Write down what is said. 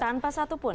tanpa satu pun ya